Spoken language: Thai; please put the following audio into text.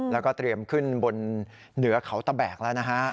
แล้วก็เตรียมขึ้นบนเหนือเขาตะแบกแล้วนะฮะ